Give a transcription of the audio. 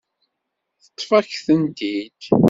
Teṭṭef-ak-tent-id.